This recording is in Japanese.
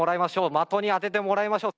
的に当ててもらいましょう。